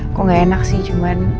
kok gak enak sih cuman